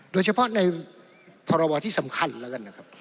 โดยเฉพาะในพรบที่สำคัญแล้วกันนะครับ